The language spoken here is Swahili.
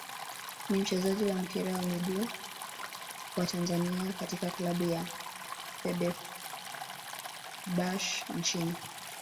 ni mchezaji wa mpira wa miguu wa Tanzania katika klabu ya Feberbahce nchini